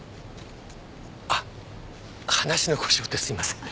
あっ話の腰を折ってすいません。